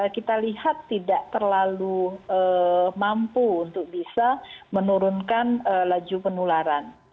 kita lihat tidak terlalu mampu untuk bisa menurunkan laju penularan